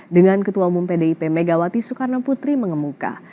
dengan ketua umum pdip megawati soekarnoputri mengemuka